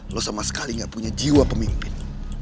lo sama sekali gak punya jiwa pemimpin